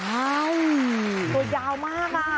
เอ้าตัวยาวมากอะ